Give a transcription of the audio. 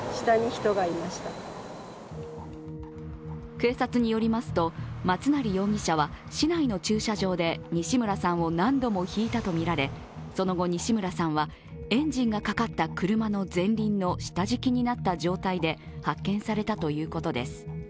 警察によりますと松成容疑者は市内の駐車場で西村さんを何度もひいたとみられその後、西村さんはエンジンがかかった車の前輪の下敷きになった状態で発見されたということです。